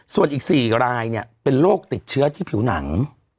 ส่วนอีก๔รายเป็นโรคติดเชื้อที่ผิวหนัง